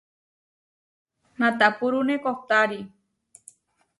Natapúrune kohtári.